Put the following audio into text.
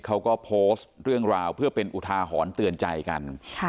เขาก็โพสต์เรื่องราวเพื่อเป็นอุทาหรณ์เตือนใจกัน